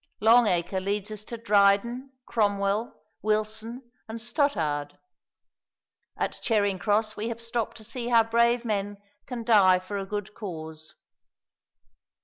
Long Acre leads us to Dryden, Cromwell, Wilson, and Stothard. At Charing Cross we have stopped to see how brave men can die for a good cause.